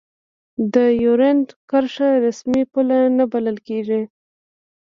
د دیورند کرښه رسمي پوله نه بلله کېږي.